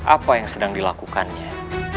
apa yang sedang dilakukannya